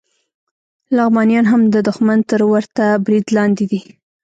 لغمانیان هم د دښمن تر ورته برید لاندې دي